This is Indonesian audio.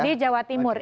di jawa timur